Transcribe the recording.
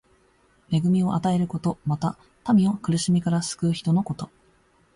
恵みを与えること。また、民を苦しみから救う人のこと。